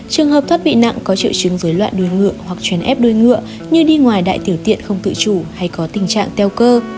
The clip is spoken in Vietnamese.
trường hợp thoát vị nặng có triệu chứng dối loạn đuôi ngựa hoặc chuyến ép đuôi ngựa như đi ngoài đại tiểu tiện không tự chủ hay có tình trạng teo cơ